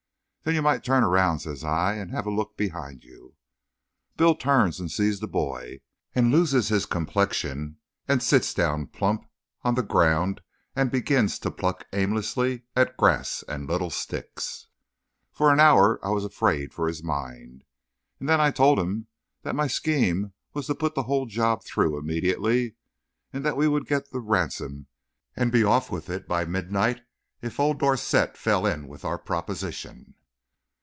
"Then you might turn around," says I, "and have a took behind you." Bill turns and sees the boy, and loses his complexion and sits down plump on the round and begins to pluck aimlessly at grass and little sticks. For an hour I was afraid for his mind. And then I told him that my scheme was to put the whole job through immediately and that we would get the ransom and be off with it by midnight if old Dorset fell in with our proposition.